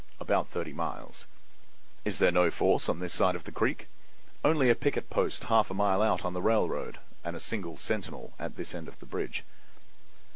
"About thirty miles." "Is there no force on this side of the creek?" "Only a picket post half a mile out, on the railroad, and a single sentinel at this end of the bridge."